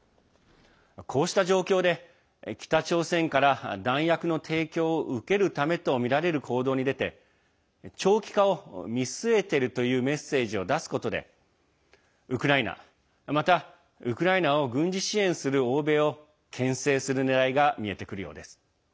こうした状況で、北朝鮮から弾薬の提供を受けるためとみられる行動に出て長期化を見据えているというメッセージを出すことでウクライナ、またウクライナを軍事支援する欧米をけん制するねらいが見えてくるようです。